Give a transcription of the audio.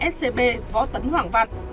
scb võ tấn hoảng văn